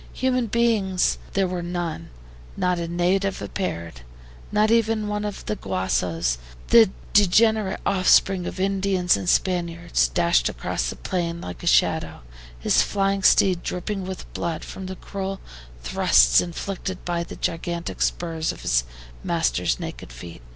Human beings there were none, not a native appeared; not even one of the GUASSOS, the degenerate offspring of Indians and Spaniards, dashed across the plain like a shadow, his flying steed dripping with blood from the cruel thrusts inflicted by the gigantic spurs of his master's naked feet.